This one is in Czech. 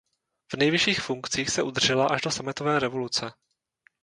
V nejvyšších funkcích se udržela až do sametové revoluce.